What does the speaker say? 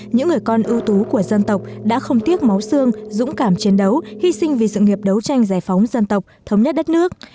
những người con ưu tú của dân tộc đã không tiếc máu xương dũng cảm chiến đấu hy sinh vì sự nghiệp đấu tranh giải phóng dân tộc thống nhất đất nước